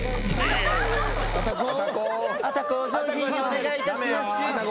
アタ子お上品にお願いいたします。